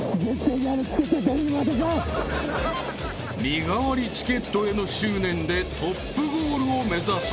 ［身代わりチケットへの執念でトップゴールを目指す］